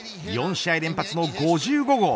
４試合連発の５５号。